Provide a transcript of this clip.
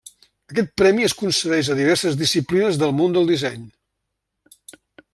Aquest premi es concedeix a diverses disciplines del món del disseny.